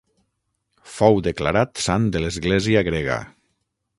Fou declarat sant de l'església grega.